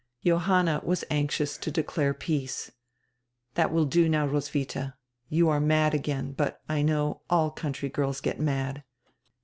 Johanna was anxious to declare peace. "That will do now, Roswidia. You are mad again, but, I know, all country girls get mad."